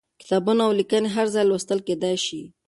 کتابونه او ليکنې هر ځای لوستل کېدای شي.